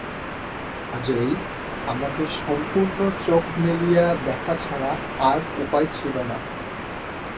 কাজেই আমাকে সম্পূর্ণ চোখ মেলিয়া দেখা ছাড়া আর উপায় ছিল না।